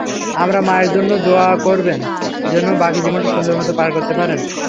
আমার মায়ের জন্য দোয়া করবেন যেন বাকি জীবনটা সুন্দরভাবে পার করতে পারেন।